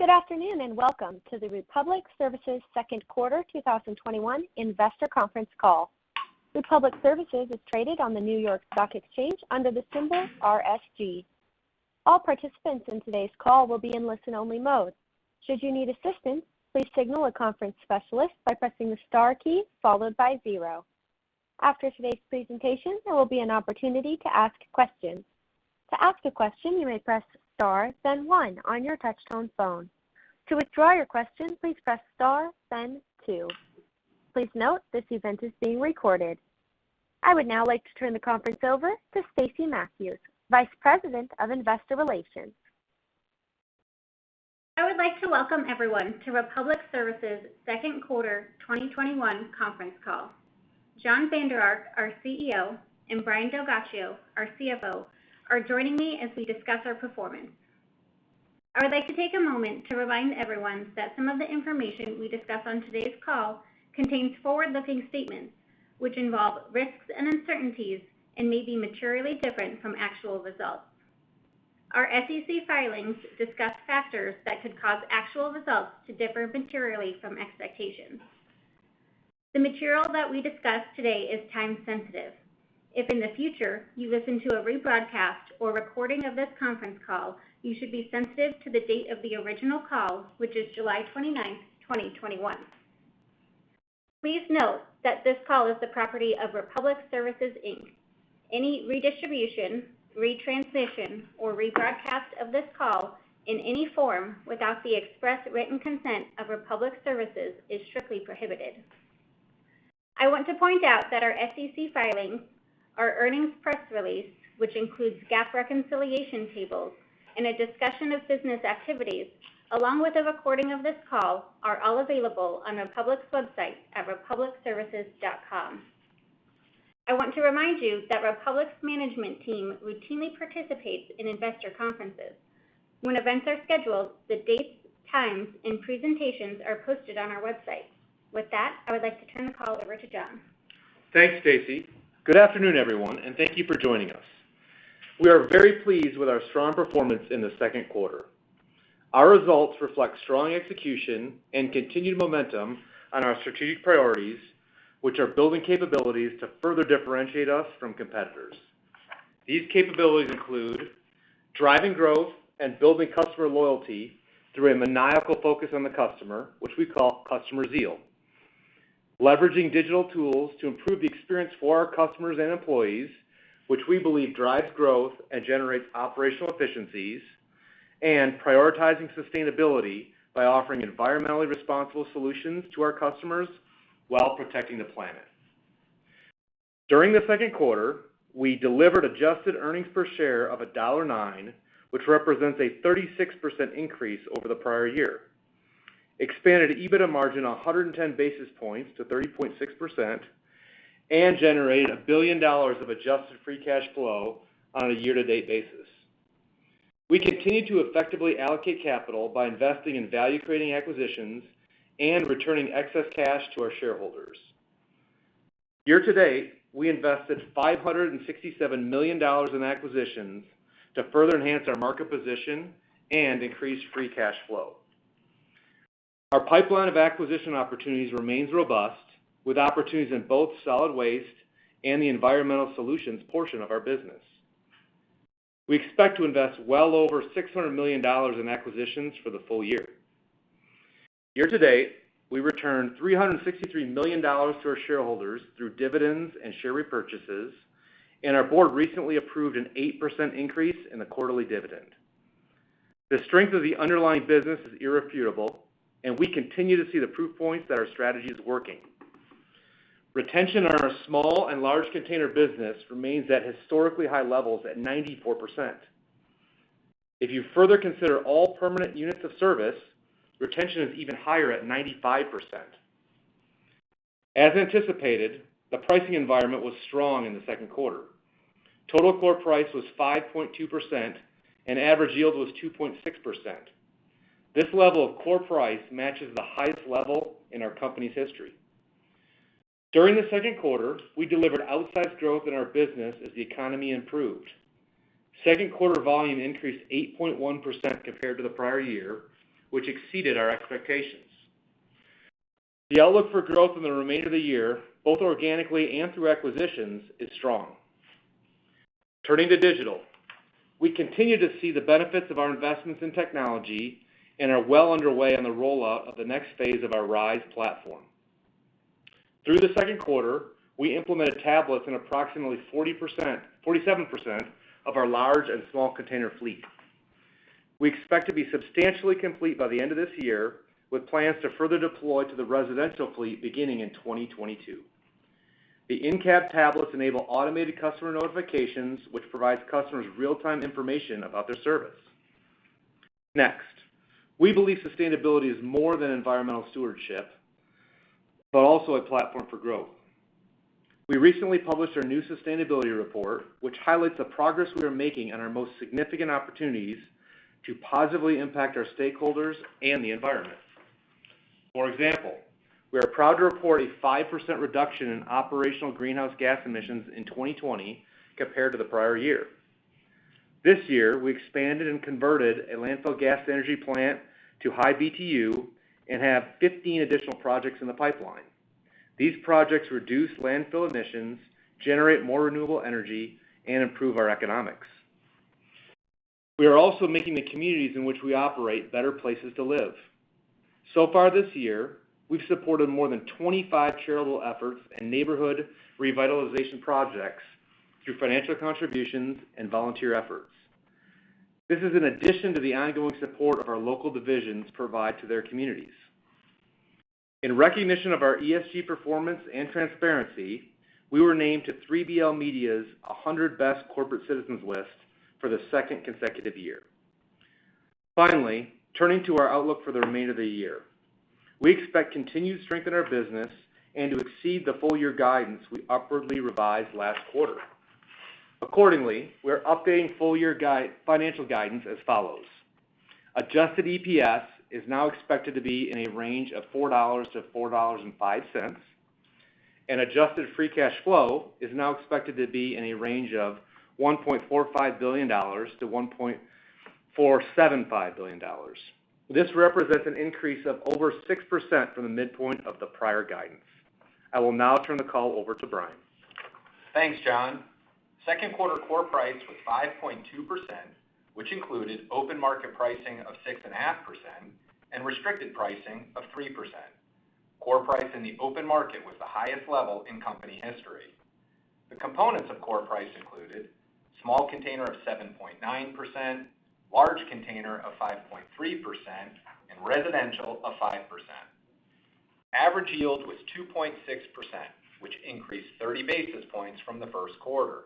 Good afternoon. Welcome to the Republic Services second quarter 2021 investor conference call. Republic Services is traded on the New York Stock Exchange under the symbol RSG. All participants in today's call will be in listen-only mode. Should you need assistance, please signal a conference specialist by pressing the star key, followed by zero. After today's presentation, there will be an opportunity to ask questions. To ask a question, you may press star then one on your touchtone phone to withdraw your question please press star then two. Please note this event is being recorded. Please note this event is being recorded. I would now like to turn the conference over to Stacey Mathews, Vice President of Investor Relations. I would like to welcome everyone to Republic Services' second quarter 2021 conference call. Jon Vander Ark, our CEO, and Brian DelGhiaccio, our CFO, are joining me as we discuss our performance. I would like to take a moment to remind everyone that some of the information we discuss on today's call contains forward-looking statements, which involve risks and uncertainties and may be materially different from actual results. Our SEC filings discuss factors that could cause actual results to differ materially from expectations. The material that we discuss today is time sensitive. If in the future you listen to a rebroadcast or recording of this conference call, you should be sensitive to the date of the original call, which is July 29th, 2021. Please note that this call is the property of Republic Services, Inc. Any redistribution, retransmission, or rebroadcast of this call in any form without the express written consent of Republic Services is strictly prohibited. I want to point out that our SEC filings, our earnings press release, which includes GAAP reconciliation tables, and a discussion of business activities, along with a recording of this call, are all available on Republic's website at republicservices.com. I want to remind you that Republic's management team routinely participates in investor conferences. When events are scheduled, the dates, times, and presentations are posted on our website. With that, I would like to turn the call over to Jon. Thanks, Stacey. Good afternoon, everyone, thank you for joining us. We are very pleased with our strong performance in the second quarter. Our results reflect strong execution and continued momentum on our strategic priorities, which are building capabilities to further differentiate us from competitors. These capabilities include driving growth and building customer loyalty through a maniacal focus on the customer, which we call Customer Zeal. Leveraging digital tools to improve the experience for our customers and employees, which we believe drives growth and generates operational efficiencies. Prioritizing sustainability by offering environmentally responsible solutions to our customers while protecting the planet. During the second quarter, we delivered adjusted earnings per share of $1.09, which represents a 36% increase over the prior year, expanded EBITDA margin 110 basis points to 30.6%, and generated $1 billion of adjusted free cash flow on a year-to-date basis. We continue to effectively allocate capital by investing in value-creating acquisitions and returning excess cash to our shareholders. Year to date, we invested $567 million in acquisitions to further enhance our market position and increase free cash flow. Our pipeline of acquisition opportunities remains robust, with opportunities in both solid waste and the environmental solutions portion of our business. We expect to invest well over $600 million in acquisitions for the full year. Year to date, we returned $363 million to our shareholders through dividends and share repurchases, and our board recently approved an 8% increase in the quarterly dividend. The strength of the underlying business is irrefutable, and we continue to see the proof points that our strategy is working. Retention on our small and large container business remains at historically high levels at 94%. If you further consider all permanent units of service, retention is even higher at 95%. As anticipated, the pricing environment was strong in the second quarter. Total core price was 5.2%, and average yield was 2.6%. This level of core price matches the highest level in our company's history. During the second quarter, we delivered outsized growth in our business as the economy improved. Second quarter volume increased 8.1% compared to the prior year, which exceeded our expectations. The outlook for growth in the remainder of the year, both organically and through acquisitions, is strong. Turning to digital, we continue to see the benefits of our investments in technology and are well underway on the rollout of the next phase of our RISE platform. Through the second quarter, we implemented tablets in approximately 47% of our large and small container fleet. We expect to be substantially complete by the end of this year, with plans to further deploy to the residential fleet beginning in 2022. The in-cab tablets enable automated customer notifications, which provides customers real-time information about their service. We believe sustainability is more than environmental stewardship, but also a platform for growth. We recently published our new sustainability report, which highlights the progress we are making and our most significant opportunities to positively impact our stakeholders and the environment. For example, we are proud to report a 5% reduction in operational greenhouse gas emissions in 2020 compared to the prior year. This year, we expanded and converted a landfill gas energy plant to high-BTU and have 15 additional projects in the pipeline. These projects reduce landfill emissions, generate more renewable energy, and improve our economics. We are also making the communities in which we operate better places to live. Far this year, we've supported more than 25 charitable efforts and neighborhood revitalization projects through financial contributions and volunteer efforts. This is in addition to the ongoing support our local divisions provide to their communities. In recognition of our ESG performance and transparency, we were named to 3BL Media's 100 Best Corporate Citizens list for the second consecutive year. Finally, turning to our outlook for the remainder of the year. We expect continued strength in our business and to exceed the full year guidance we upwardly revised last quarter. Accordingly, we are updating full year financial guidance as follows. Adjusted EPS is now expected to be in a range of $4-$4.05, and adjusted free cash flow is now expected to be in a range of $1.45 billion-$1.475 billion. This represents an increase of over 6% from the midpoint of the prior guidance. I will now turn the call over to Brian. Thanks, Jon. Second quarter core price was 5.2%, which included open market pricing of 6.5% and restricted pricing of 3%. Core price in the open market was the highest level in company history. The components of core price included small container of 7.9%, large container of 5.3%, and residential of 5%. Average yield was 2.6%, which increased 30 basis points from the first quarter.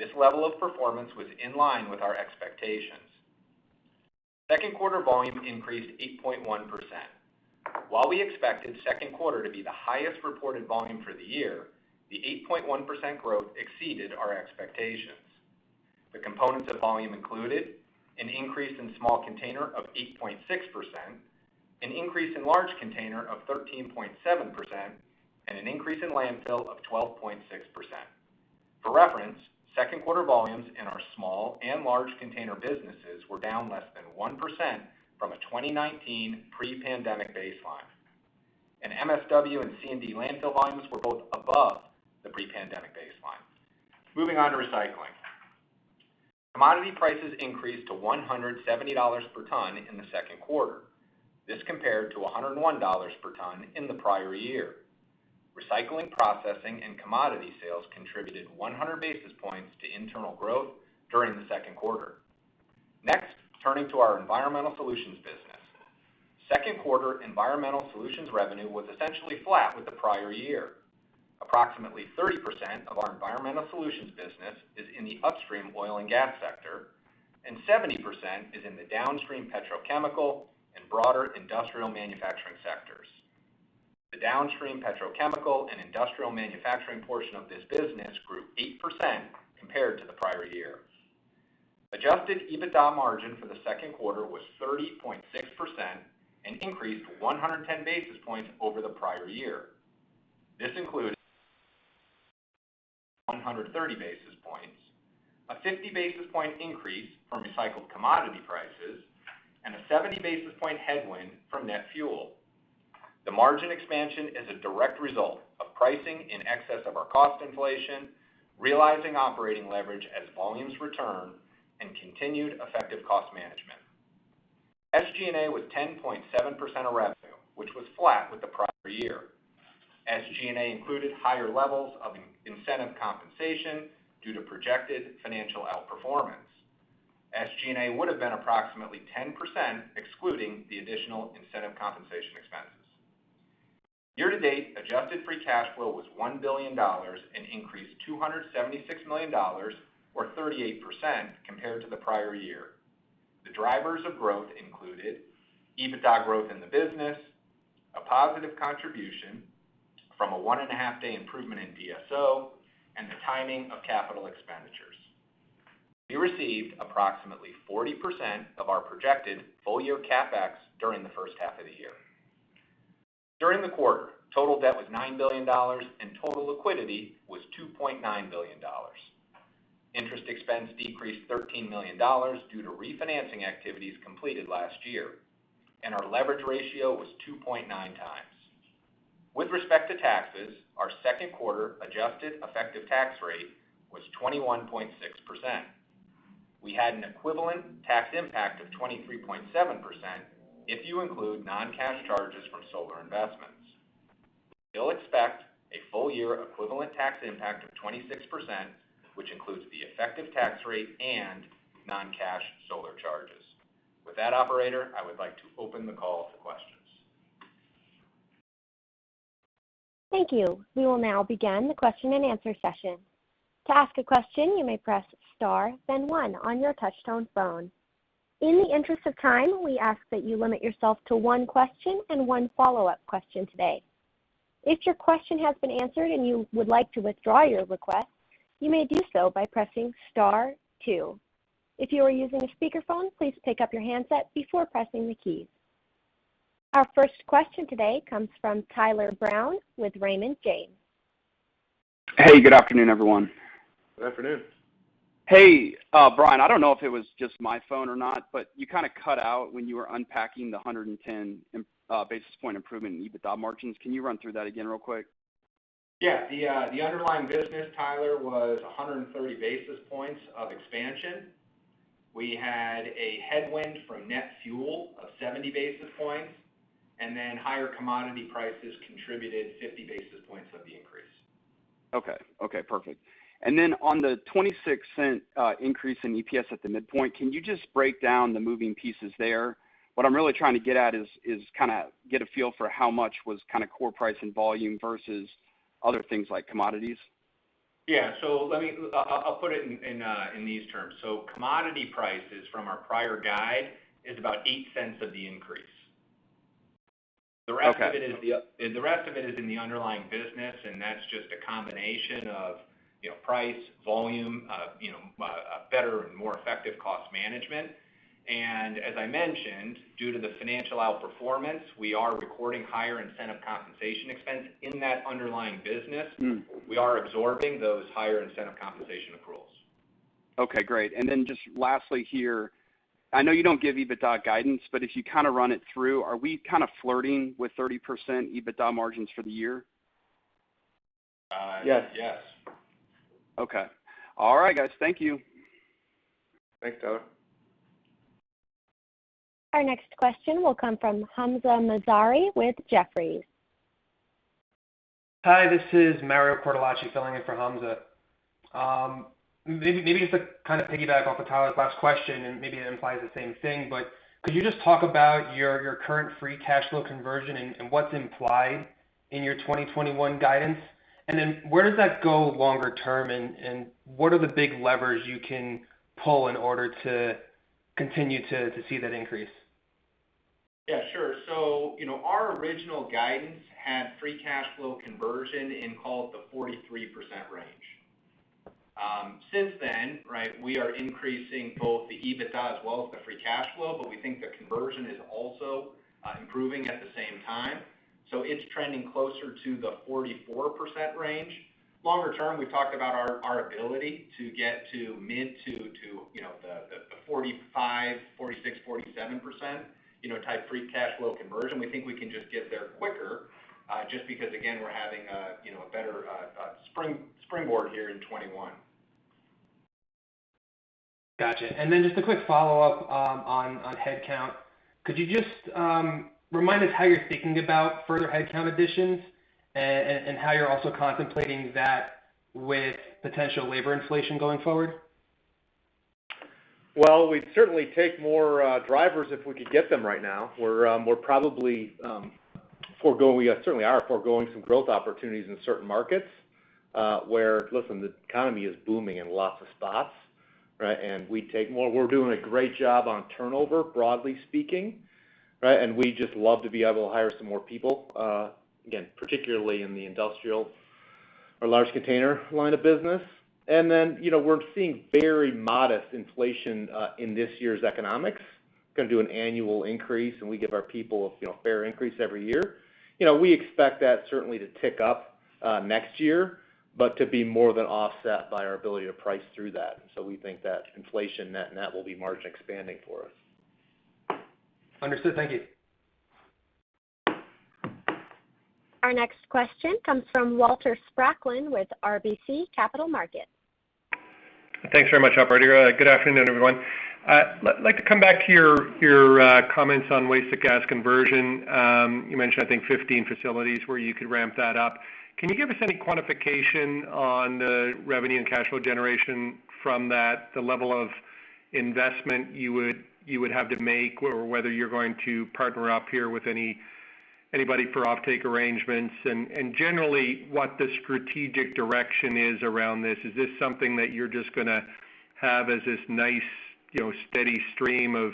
This level of performance was in line with our expectations. Second quarter volume increased 8.1%. While we expected second quarter to be the highest reported volume for the year, the 8.1% growth exceeded our expectations. The components of volume included an increase in small container of 8.6%, an increase in large container of 13.7%, and an increase in landfill of 12.6%. For reference, second quarter volumes in our small and large container businesses were down less than 1% from a 2019 pre-pandemic baseline, and MSW and C&D landfill volumes were both above the pre-pandemic baseline. Moving on to recycling. Commodity prices increased to $170 per ton in the second quarter. This compared to $101 per ton in the prior year. Recycling, processing, and commodity sales contributed 100 basis points to internal growth during the second quarter. Next, turning to our Environmental Solutions business. Second quarter environmental solutions revenue was essentially flat with the prior year. Approximately 30% of our Environmental Solutions business is in the upstream oil and gas sector, and 70% is in the downstream petrochemical and broader industrial manufacturing sectors. The downstream petrochemical and industrial manufacturing portion of this business grew 8% compared to the prior year. Adjusted EBITDA margin for the second quarter was 30.6% and increased 110 basis points over the prior year. This included 130 basis points, a 50 basis point increase from recycled commodity prices, and a 70 basis point headwind from net fuel. The margin expansion is a direct result of pricing in excess of our cost inflation, realizing operating leverage as volumes return, and continued effective cost management. SG&A was 10.7% of revenue, which was flat with the prior year. SG&A included higher levels of incentive compensation due to projected financial outperformance. SG&A would have been approximately 10%, excluding the additional incentive compensation expenses. Year to date, adjusted free cash flow was $1 billion and increased $276 million, or 38%, compared to the prior year. The drivers of growth included EBITDA growth in the business, a positive contribution from a one and a half day improvement in DSO, and the timing of capital expenditures. We received approximately 40% of our projected full-year CapEx during the first half of the year. During the quarter, total debt was $9 billion, and total liquidity was $2.9 billion. Interest expense decreased $13 million due to refinancing activities completed last year, and our leverage ratio was 2.9x. With respect to taxes, our second quarter adjusted effective tax rate was 21.6%. We had an equivalent tax impact of 23.7% if you include non-cash charges from solar investments. We still expect a full year equivalent tax impact of 26%, which includes the effective tax rate and non-cash solar charges. With that, Operator, I would like to open the call to questions. Thank you. We will now begin the question and answer session. To ask a question, you may press star then one on your touchtone phone. In the interest of time, we ask that you limit yourself to one question and one. Follow-up question today. If your question has been answered and you would like to withdraw your request, you may do so by pressing star two. If you are using a speakerphone, please pick up your handset before pressing the keys. Our first question today comes from Tyler Brown with Raymond James. Hey, good afternoon, everyone. Good afternoon. Hey, Brian, I don't know if it was just my phone or not, but you kind of cut out when you were unpacking the 110 basis point improvement in EBITDA margins. Can you run through that again real quick? Yeah. The underlying business, Tyler, was 130 basis points of expansion. We had a headwind from net fuel of 70 basis points, and then higher commodity prices contributed 50 basis points of the increase. Okay. Okay, perfect. On the $0.26 increase in EPS at the midpoint, can you just break down the moving pieces there? What I'm really trying to get at is kind of get a feel for how much was kind of core price and volume versus other things like commodities. Yeah. Let me put it in these terms. Commodity prices from our prior guide is about $0.8 of the increase. Okay. The rest of it is in the underlying business, that's just a combination of price, volume, better and more effective cost management. As I mentioned, due to the financial outperformance, we are recording higher incentive compensation expense in that underlying business. We are absorbing those higher incentive compensation accruals. Okay, great. Just lastly here, I know you don't give EBITDA guidance, but if you kind of run it through, are we kind of flirting with 30% EBITDA margins for the year? Yes. Okay. All right, guys. Thank you. Thanks, Tyler. Our next question will come from Hamzah Mazari with Jefferies. Hi, this is Mario Cortellacci filling in for Hamzah. Maybe just to kind of piggyback off of Tyler's last question, and maybe it implies the same thing, but could you just talk about your current free cash flow conversion and what's implied in your 2021 guidance? Where does that go longer term, and what are the big levers you can pull in order to continue to see that increase? Yeah, sure. Our original guidance had free cash flow conversion in call it the 43% range. Since then, we are increasing both the EBITDA as well as the free cash flow, but we think the conversion is also improving at the same time. It's trending closer to the 44% range. Longer term, we talked about our ability to get to mid to the 45%, 46%, 47% type free cash flow conversion. We think we can just get there quicker, just because again, we're having a better springboard here in 2021. Gotcha. Just a quick follow-up on headcount. Could you just remind us how you're thinking about further headcount additions and how you're also contemplating that with potential labor inflation going forward? Well, we'd certainly take more drivers if we could get them right now. We certainly are foregoing some growth opportunities in certain markets, where, listen, the economy is booming in lots of spots, right? We're doing a great job on turnover, broadly speaking, right? We'd just love to be able to hire some more people, again, particularly in the industrial or large container line of business. We're seeing very modest inflation in this year's economics. Going to do an annual increase, and we give our people a fair increase every year. We expect that certainly to tick up next year, but to be more than offset by our ability to price through that. We think that inflation net-net will be margin expanding for us. Understood. Thank you. Our next question comes from Walter Spracklin with RBC Capital Markets. Thanks very much, operator. Good afternoon, everyone. I'd like to come back to your comments on waste to gas conversion. You mentioned, I think 15 facilities where you could ramp that up. Can you give us any quantification on the revenue and cash flow generation from that? The level of investment you would have to make, or whether you're going to partner up here with anybody for offtake arrangements and, generally, what the strategic direction is around this. Is this something that you're just going to have as this nice steady stream of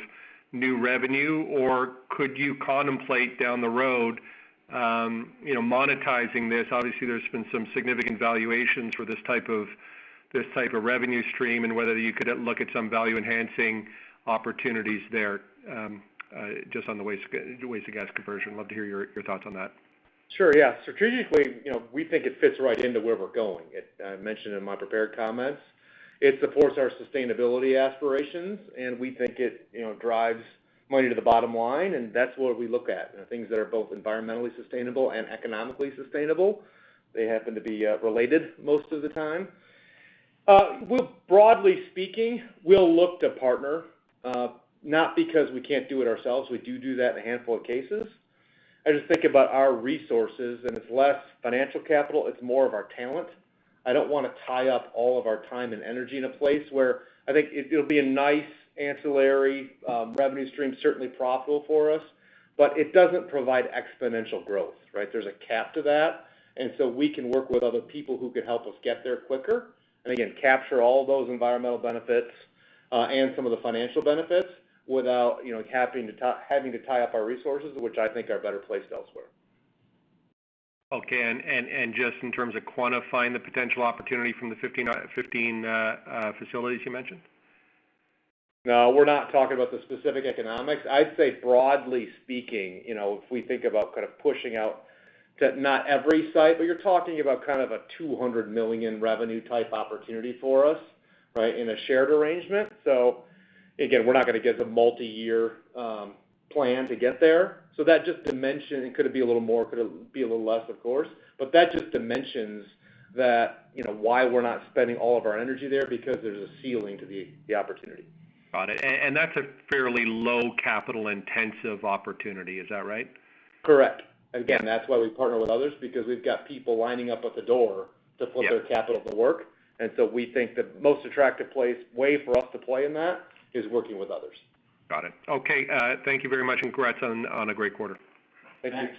new revenue, or could you contemplate down the road monetizing this? Obviously, there's been some significant valuations for this type of revenue stream and whether you could look at some value enhancing opportunities there, just on the waste to gas conversion. Love to hear your thoughts on that. Sure, yeah. Strategically, we think it fits right into where we're going. I mentioned in my prepared comments, it supports our sustainability aspirations. We think it drives money to the bottom line. That's what we look at, things that are both environmentally sustainable and economically sustainable. They happen to be related most of the time. Broadly speaking, we'll look to partner, not because we can't do it ourselves. We do that in a handful of cases. I just think about our resources. It's less financial capital, it's more of our talent. I don't want to tie up all of our time and energy in a place where I think it'll be a nice ancillary revenue stream, certainly profitable for us, but it doesn't provide exponential growth, right? There's a cap to that. We can work with other people who could help us get there quicker, and again, capture all those environmental benefits. Some of the financial benefits without having to tie up our resources, which I think are better placed elsewhere. Okay, just in terms of quantifying the potential opportunity from the 15 facilities you mentioned? No, we're not talking about the specific economics. I'd say broadly speaking, if we think about pushing out to not every site, but you're talking about a $200 million revenue type opportunity for us, right, in a shared arrangement. Again, we're not going to give the multi-year plan to get there. That just to mention, it could be a little more, could be a little less, of course. That just dimensions that why we're not spending all of our energy there, because there's a ceiling to the opportunity. Got it. That's a fairly low capital intensive opportunity, is that right? Correct. Again, that's why we partner with others, because we've got people lining up at the door to put their capital to work. We think the most attractive way for us to play in that is working with others. Got it. Okay. Thank you very much, and congrats on a great quarter. Thank you. Thanks.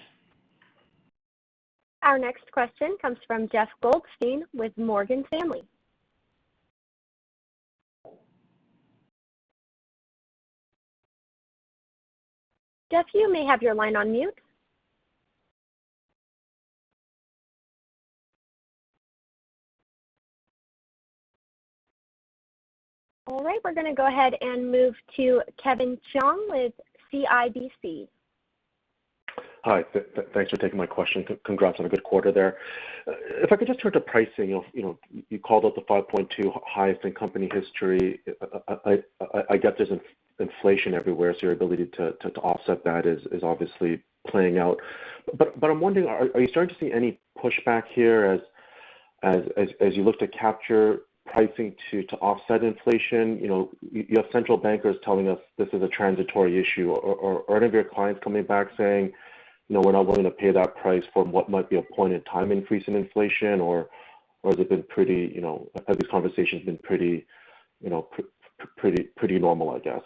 Our next question comes from Jeff Goldstein with Morgan Stanley. Jeff, you may have your line on mute. All right, we're going to go ahead and move to Kevin Chiang with CIBC. Hi. Thanks for taking my question. Congrats on a good quarter there. If I could just turn to pricing, you called out the 5.2% highest in company history. I get there's inflation everywhere, so your ability to offset that is obviously playing out. I'm wondering, are you starting to see any pushback here as you look to capture pricing to offset inflation? You have central bankers telling us this is a transitory issue, or are any of your clients coming back saying, "We're not willing to pay that price for what might be a point in time increase in inflation," or has this conversation been pretty normal, I guess?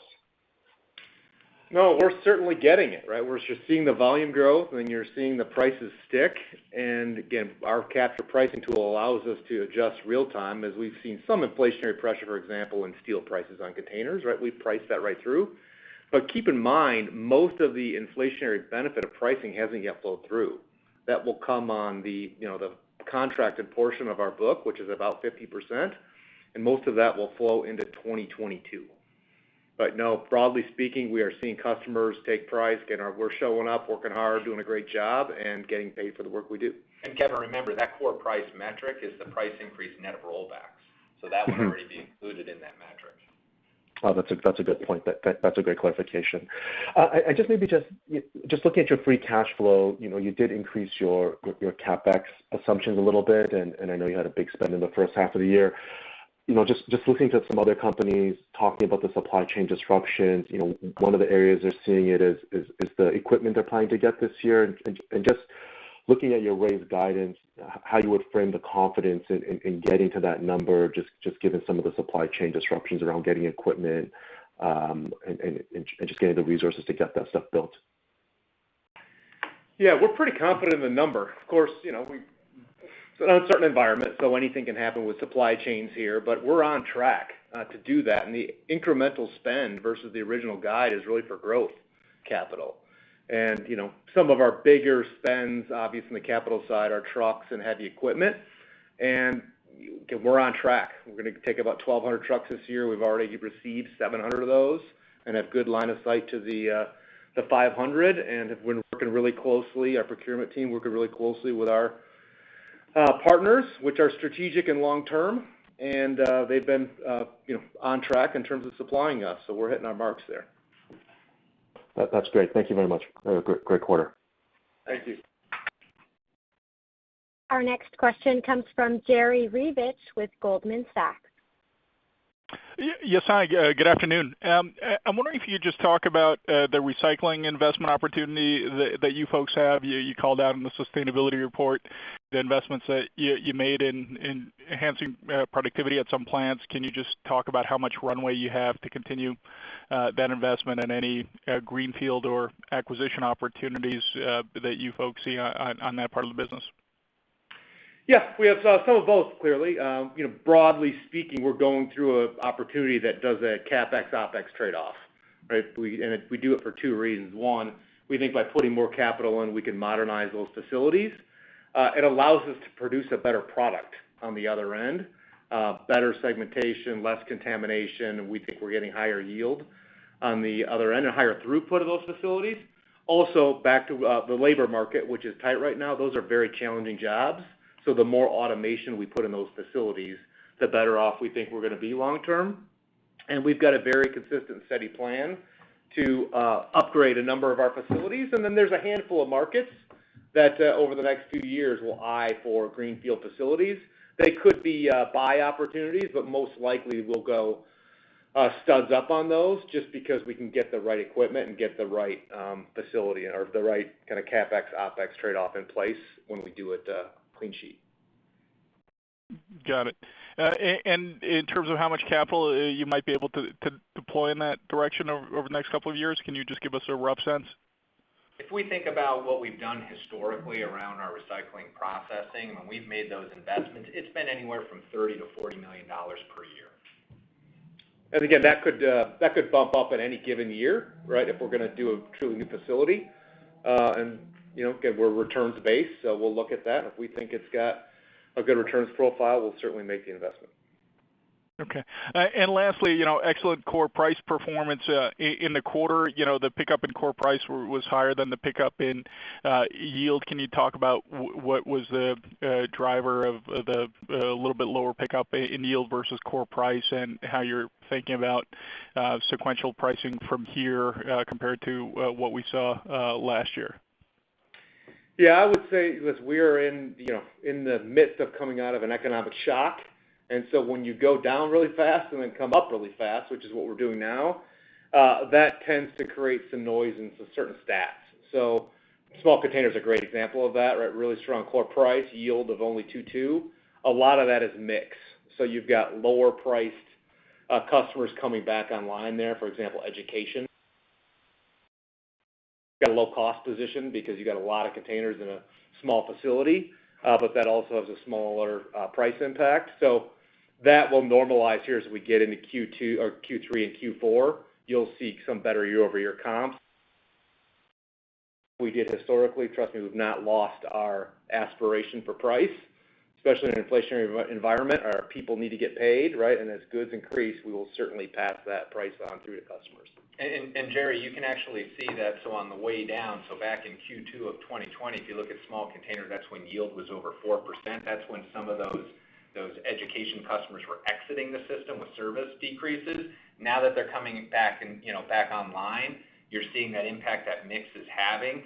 No, we're certainly getting it. We're just seeing the volume grow, and you're seeing the prices stick. Again, our capture pricing tool allows us to adjust real time as we've seen some inflationary pressure, for example, in steel prices on containers. We priced that right through. Keep in mind, most of the inflationary benefit of pricing hasn't yet flowed through. That will come on the contracted portion of our book, which is about 50%, and most of that will flow into 2022. No, broadly speaking, we are seeing customers take price. We're showing up, working hard, doing a great job, and getting paid for the work we do. Kevin, remember, that core price metric is the price increase net of rollbacks. That would already be included in that metric. That's a good point. That's a great clarification. Just looking at your free cash flow, you did increase your CapEx assumptions a little bit. I know you had a big spend in the first half of the year. Just looking to some other companies talking about the supply chain disruptions, one of the areas they're seeing it is the equipment they're planning to get this year. Just looking at your raised guidance, how you would frame the confidence in getting to that number, just given some of the supply chain disruptions around getting equipment, and just getting the resources to get that stuff built. Yeah, we're pretty confident in the number. Of course, it's an uncertain environment, so anything can happen with supply chains here, but we're on track to do that, and the incremental spend versus the original guide is really for growth capital. Some of our bigger spends, obviously on the capital side, are trucks and heavy equipment. We're on track. We're going to take about 1,200 trucks this year. We've already received 700 of those and have good line of sight to the 500. Our procurement team, working really closely with our partners, which are strategic and long-term, and they've been on track in terms of supplying us. We're hitting our marks there. That's great. Thank you very much. Have a great quarter. Thank you. Our next question comes from Jerry Revich with Goldman Sachs. Yes. Good afternoon. I'm wondering if you could just talk about the recycling investment opportunity that you folks have. You called out in the sustainability report the investments that you made in enhancing productivity at some plants. Can you just talk about how much runway you have to continue that investment and any greenfield or acquisition opportunities that you folks see on that part of the business? Yeah. We have some of both, clearly. Broadly speaking, we're going through an opportunity that does a CapEx OpEx trade-off, right? We do it for two reasons. One, we think by putting more capital in, we can modernize those facilities. It allows us to produce a better product on the other end, better segmentation, less contamination. We think we're getting higher yield on the other end and higher throughput of those facilities. Also, back to the labor market, which is tight right now, those are very challenging jobs. The more automation we put in those facilities, the better off we think we're going to be long term. We've got a very consistent, steady plan to upgrade a number of our facilities. Then there's a handful of markets that over the next few years, we'll eye for greenfield facilities. They could be buy opportunities. Most likely we'll go studs up on those just because we can get the right equipment and get the right facility or the right kind of CapEx OpEx trade-off in place when we do it clean sheet. Got it. In terms of how much capital you might be able to deploy in that direction over the next couple of years, can you just give us a rough sense? If we think about what we've done historically around our recycling processing, when we've made those investments, it's been anywhere from $30 million-$40 million per year. Again, that could bump up at any given year, right? If we're going to do a truly new facility. We're returns based, so we'll look at that, and if we think it's got a good returns profile, we'll certainly make the investment. Okay. Lastly, excellent core price performance, in the quarter, the pickup in core price was higher than the pickup in yield. Can you talk about what was the driver of the little bit lower pickup in yield versus core price and how you're thinking about sequential pricing from here, compared to what we saw last year? Yeah. I would say, listen, we are in the midst of coming out of an economic shock. When you go down really fast and then come up really fast, which is what we're doing now, that tends to create some noise in some certain stats. Small container is a great example of that, right? Really strong core price, yield of only 2.2%. A lot of that is mix. You've got lower priced customers coming back online there, for example, education. Got a low cost position because you got a lot of containers in a small facility. That also has a smaller price impact. That will normalize here as we get into Q2 or Q3 and Q4. You'll see some better year-over-year comps. We did historically, trust me, we've not lost our aspiration for price, especially in an inflationary environment. Our people need to get paid, right? As goods increase, we will certainly pass that price on through to customers. Jerry, you can actually see that. On the way down, back in Q2 2020, if you look at small container, that's when yield was over 4%. That's when some of those education customers were exiting the system with service decreases. Now that they're coming back online, you're seeing that impact that mix is having.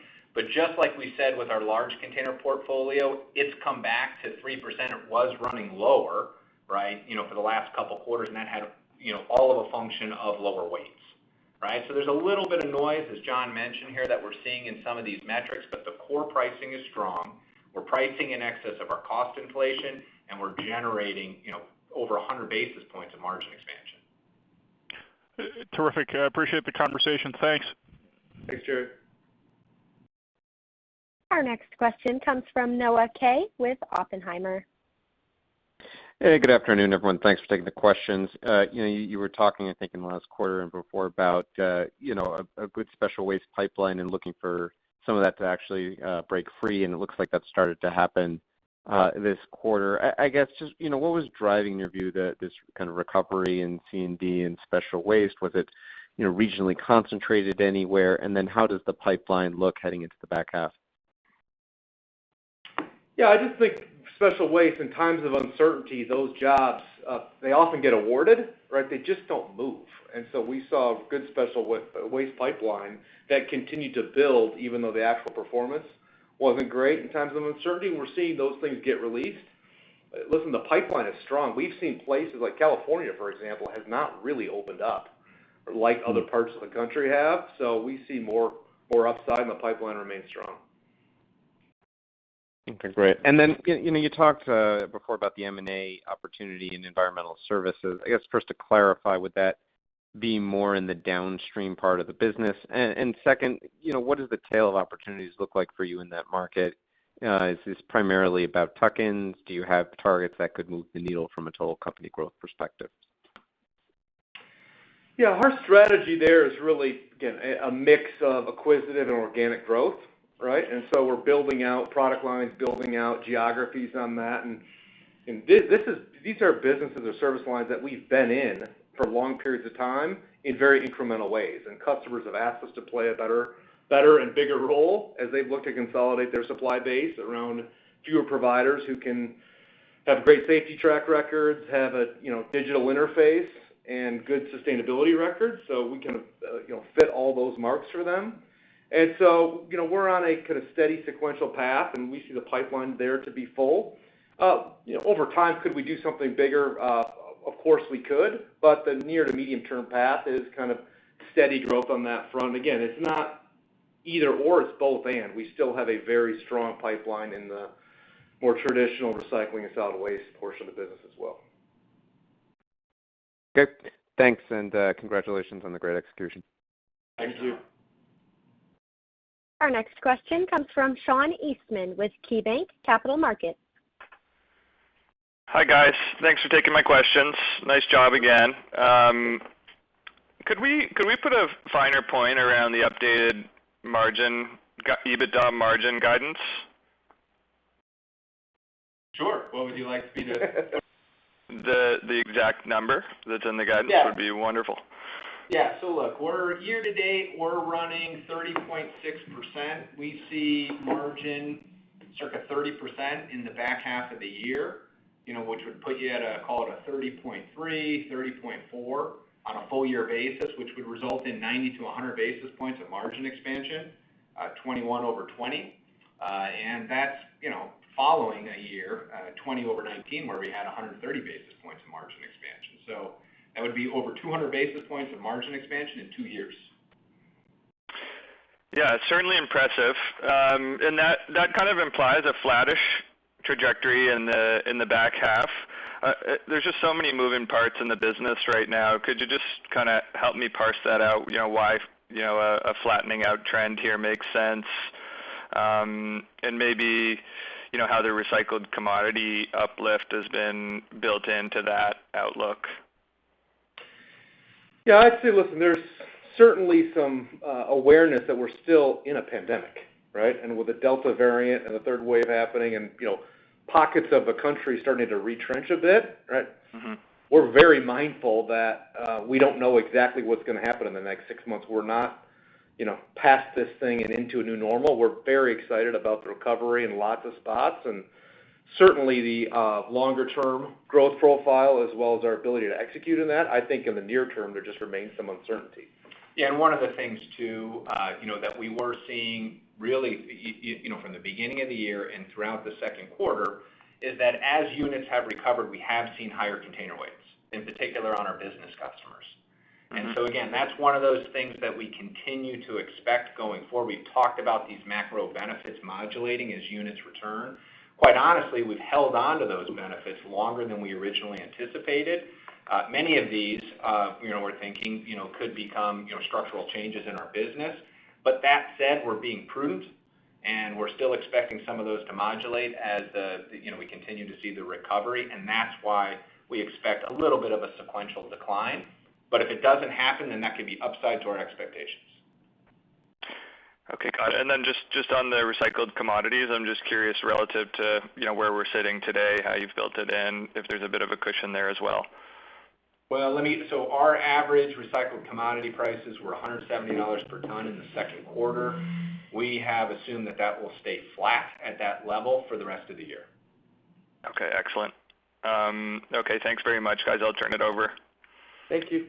Just like we said with our large container portfolio, it's come back to 3%. It was running lower, right, for the last couple of quarters, and that had all of a function of lower weights, right? There's a little bit of noise, as Jon mentioned here, that we're seeing in some of these metrics, but the core pricing is strong. We're pricing in excess of our cost inflation, and we're generating over 100 basis points of margin expansion. Terrific. I appreciate the conversation. Thanks. Thanks, Jerry. Our next question comes from Noah Kaye with Oppenheimer. Hey, good afternoon, everyone. Thanks for taking the questions. You were talking, I think in the last quarter and before about a good special waste pipeline and looking for some of that to actually break free, and it looks like that's started to happen this quarter. I guess, just what was driving your view that this kind of recovery in C&D and special waste, was it regionally concentrated anywhere? How does the pipeline look heading into the back half? Yeah, I just think special waste in times of uncertainty, those jobs, they often get awarded, right? They just don't move. We saw a good special waste pipeline that continued to build even though the actual performance wasn't great in times of uncertainty, and we're seeing those things get released. Listen, the pipeline is strong. We've seen places like California, for example, has not really opened up like other parts of the country have. We see more upside and the pipeline remains strong. Okay, great. Then, you talked before about the M&A opportunity in environmental services. I guess first to clarify, would that be more in the downstream part of the business? Second, what does the tail of opportunities look like for you in that market? Is this primarily about tuck-ins? Do you have targets that could move the needle from a total company growth perspective? Yeah, our strategy there is really, again, a mix of acquisitive and organic growth, right? We're building out product lines, building out geographies on that, and these are businesses or service lines that we've been in for long periods of time in very incremental ways. Customers have asked us to play a better and bigger role as they've looked to consolidate their supply base around fewer providers who can have great safety track records, have a digital interface, and good sustainability records. We can fit all those marks for them. We're on a kind of steady sequential path, and we see the pipeline there to be full. Over time, could we do something bigger? Of course, we could, but the near to medium-term path is kind of steady growth on that front. Again, it's not either/or, it's both/and. We still have a very strong pipeline in the more traditional recycling and solid waste portion of the business as well. Okay. Thanks, and congratulations on the great execution. Thank you. Our next question comes from Sean Eastman with KeyBanc Capital Markets. Hi, guys. Thanks for taking my questions. Nice job again. Could we put a finer point around the updated EBITDA margin guidance? Sure. What would you like to be? The exact number that's in the guidance. Yeah. Would be wonderful. Yeah. Look, year to date, we're running 30.6%. We see margin circa 30% in the back half of the year, which would put you at a, call it a 30.3%, 30.4% on a full year basis, which would result in 90-100 basis points of margin expansion, 2021 over 2020. That's following a year, 2020 over 2019, where we had 130 basis points of margin expansion. That would be over 200 basis points of margin expansion in two years. Yeah, certainly impressive. That kind of implies a flattish trajectory in the back half. There's just so many moving parts in the business right now. Could you just kind of help me parse that out, why a flattening out trend here makes sense? Maybe, how the recycled commodity uplift has been built into that outlook? Yeah, I'd say, listen, there's certainly some awareness that we're still in a pandemic, right? With the Delta variant and the third wave happening and pockets of the country starting to retrench a bit, right? We're very mindful that we don't know exactly what's going to happen in the next six months. We're not past this thing and into a new normal. We're very excited about the recovery in lots of spots, and certainly the longer-term growth profile, as well as our ability to execute in that. I think in the near term, there just remains some uncertainty. One of the things too, that we were seeing really, from the beginning of the year and throughout the second quarter, is that as units have recovered, we have seen higher container weights, in particular on our business customers. Again, that's one of those things that we continue to expect going forward. We talked about these macro benefits modulating as units return. Quite honestly, we've held onto those benefits longer than we originally anticipated. Many of these, we're thinking, could become structural changes in our business. That said, we're being prudent, and we're still expecting some of those to modulate as we continue to see the recovery, and that's why we expect a little bit of a sequential decline. If it doesn't happen, then that could be upside to our expectations. Okay, got it. Just on the recycled commodities, I'm just curious, relative to where we're sitting today, how you've built it in, if there's a bit of a cushion there as well? Well, our average recycled commodity prices were $170 per ton in the second quarter. We have assumed that that will stay flat at that level for the rest of the year. Okay, excellent. Okay, thanks very much, guys. I'll turn it over. Thank you.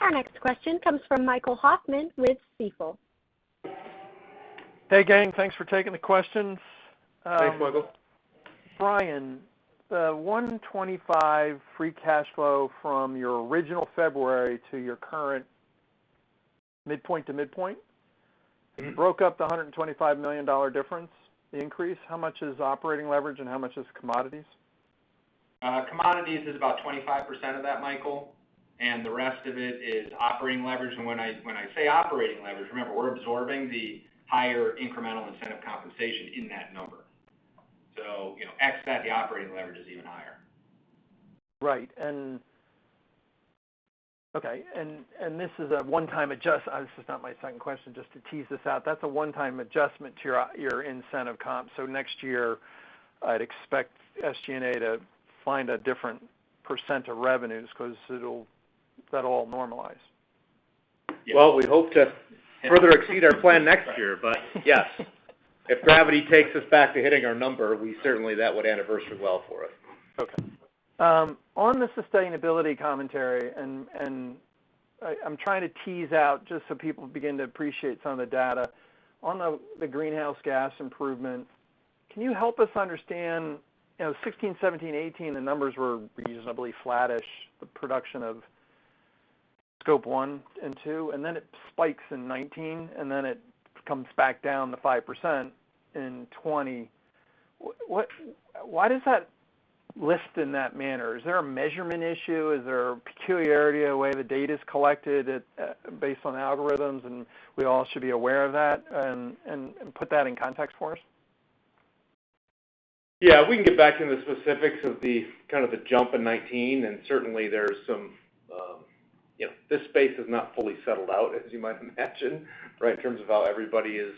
Our next question comes from Michael Hoffman with Stifel. Hey, gang. Thanks for taking the questions. Thanks, Michael. Brian, the $125 free cash flow from your original February to your current midpoint to midpoint? Can you broke up the $125 million difference, the increase? How much is operating leverage and how much is commodities? Commodities is about 25% of that, Michael, and the rest of it is operating leverage. When I say operating leverage, remember, we're absorbing the higher incremental incentive compensation in that number. Ex that, the operating leverage is even higher. Right. Okay. This is now my second question, just to tease this out. That's a one-time adjustment to your incentive comp, so next year I'd expect SG&A to find a different % of revenues, because that'll all normalize. Yes. We hope to further exceed our plan next year, but yes. If gravity takes us back to hitting our number, certainly that would anniversary well for us. Okay. On the sustainability commentary, I'm trying to tease out just so people begin to appreciate some of the data. On the greenhouse gas improvement, can you help us understand, 2016, 2017, 2018, the numbers were reasonably flattish, the production of scope one and two, then it spikes in 2019, then it comes back down to 5% in 2020. Why does that list in that manner? Is there a measurement issue? Is there a peculiarity in the way the data's collected based on algorithms, and we all should be aware of that and put that in context for us? Yeah, we can get back into the specifics of the kind of the jump in 2019. Certainly, this space is not fully settled out, as you might imagine, right, in terms of how everybody is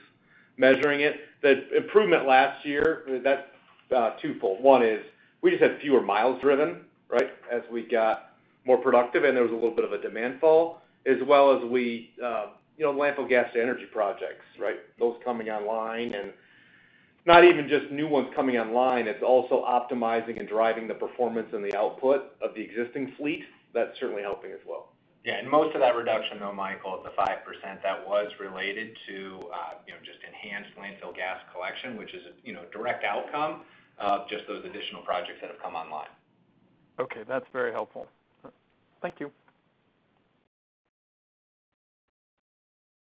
measuring it. The improvement last year, that is twofold. One is we just had fewer miles driven, right, as we got more productive and there was a little bit of a demand fall, as well as landfill gas to energy projects, right? Those coming online, and not even just new ones coming online, it's also optimizing and driving the performance and the output of the existing fleet. That's certainly helping as well. Yeah, most of that reduction though, Michael, the 5%, that was related to just enhanced landfill gas collection, which is a direct outcome of just those additional projects that have come online. Okay. That's very helpful. Thank you.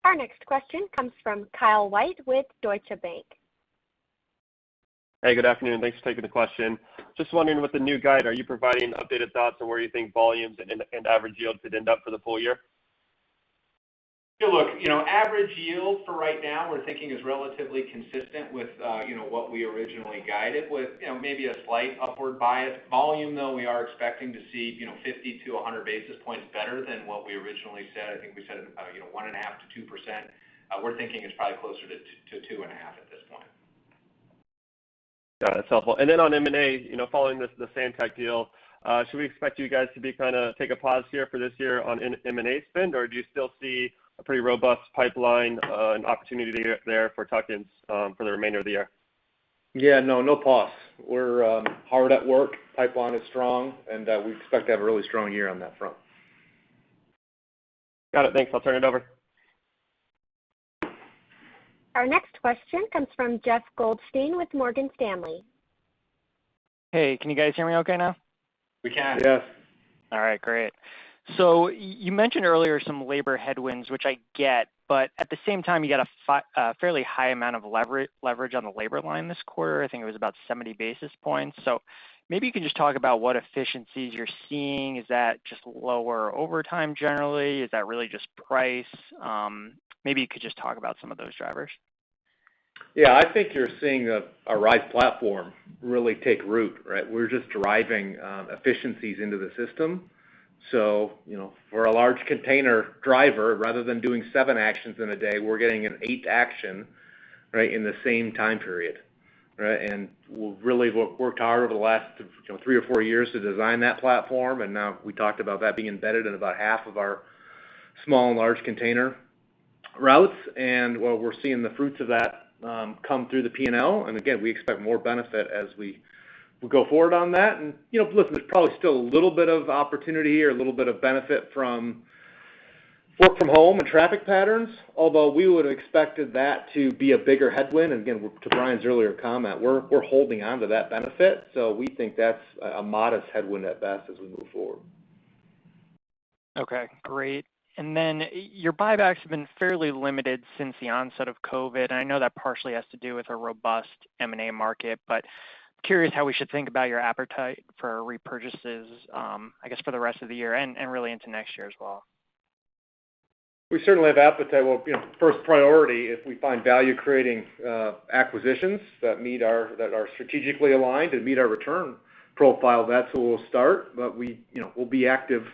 Our next question comes from Kyle White with Deutsche Bank. Hey, good afternoon. Thanks for taking the question. Just wondering, with the new guide, are you providing updated thoughts on where you think volumes and average yields could end up for the full year? Yeah, look, average yield for right now we're thinking is relatively consistent with what we originally guided with, maybe a slight upward bias. Volume, though, we are expecting to see 50-100 basis points better than what we originally said. I think we said 1.5%-2%. We're thinking it's probably closer to 2.5% at this point. Got it. That's helpful. Then on M&A, following the Santek deal, should we expect you guys to kind of take a pause here for this year on M&A spend, or do you still see a pretty robust pipeline, an opportunity there for tuck-ins for the remainder of the year? Yeah, no. No pause. We're hard at work. Pipeline is strong, and we expect to have a really strong year on that front. Got it. Thanks. I'll turn it over. Our next question comes from Jeff Goldstein with Morgan Stanley. Hey, can you guys hear me okay now? We can. Yes. All right, great. You mentioned earlier some labor headwinds, which I get, but at the same time, you got a fairly high amount of leverage on the labor line this quarter. I think it was about 70 basis points. Maybe you can just talk about what efficiencies you're seeing. Is that just lower overtime generally? Is that really just price? Maybe you could just talk about some of those drivers. Yeah. I think you're seeing a RISE platform really take root, right? We're just driving efficiencies into the system. For a large container driver, rather than doing seven actions in a day, we're getting an eight action in the same time period, right? We've really worked hard over the last three or four years to design that platform, and now we talked about that being embedded in about half of our small and large container routes. While we're seeing the fruits of that come through the P&L, and again, we expect more benefit as we go forward on that. Listen, there's probably still a little bit of opportunity here, a little bit of benefit from work from home and traffic patterns, although we would've expected that to be a bigger headwind. Again, to Brian's earlier comment, we're holding onto that benefit. We think that's a modest headwind at best as we move forward. Okay. Great. Your buybacks have been fairly limited since the onset of COVID, and I know that partially has to do with a robust M&A market, but curious how we should think about your appetite for repurchases, I guess, for the rest of the year and really into next year as well. We certainly have appetite. Well, first priority, if we find value-creating acquisitions that are strategically aligned and meet our return profile, that's where we'll start. We'll be active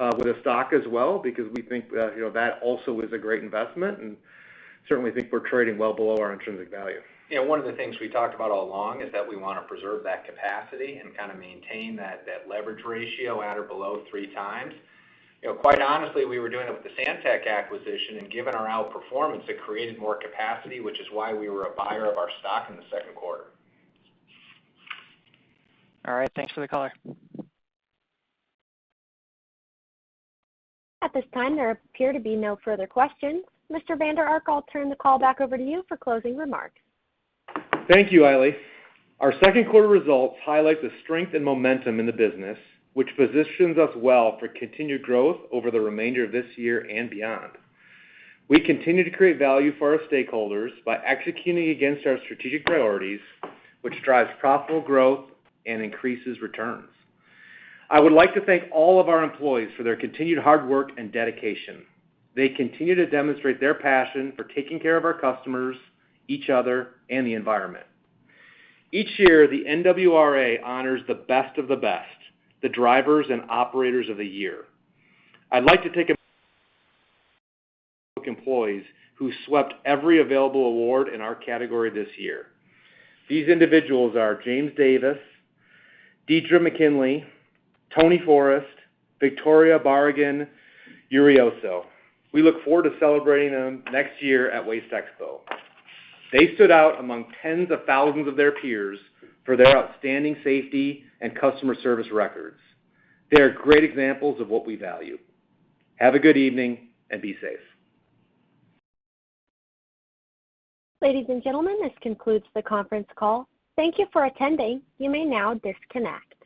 with the stock as well because we think that also is a great investment, and certainly think we're trading well below our intrinsic value. One of the things we talked about all along is that we want to preserve that capacity and kind of maintain that leverage ratio at or below three times. Quite honestly, we were doing it with the Santek acquisition, and given our outperformance, it created more capacity, which is why we were a buyer of our stock in the second quarter. All right. Thanks for the color. At this time, there appear to be no further questions. Mr. Vander Ark, I'll turn the call back over to you for closing remarks. Thank you, Ailey. Our second quarter results highlight the strength and momentum in the business, which positions us well for continued growth over the remainder of this year and beyond. We continue to create value for our stakeholders by executing against our strategic priorities, which drives profitable growth and increases returns. I would like to thank all of our employees for their continued hard work and dedication. They continue to demonstrate their passion for taking care of our customers, each other, and the environment. Each year, the NWRA honors the best of the best, the drivers and operators of the year. I'd like to thank our employees who swept every available award in our category this year. These individuals are James Davis, Dedra McKinley, Tony Forrest, Victoria Barragan. We look forward to celebrating them next year at WasteExpo. They stood out among tens of thousands of their peers for their outstanding safety and customer service records. They are great examples of what we value. Have a good evening, and be safe. Ladies and gentlemen, this concludes the conference call. Thank you for attending. You may now disconnect.